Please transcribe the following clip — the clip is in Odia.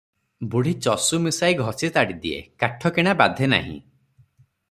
ବୁଢ଼ୀ ଚଷୁ ମିଶାଇ ଘଷି ତାଡ଼ି ଦିଏ, କାଠ କିଣା ବାଧେ ନାହିଁ ।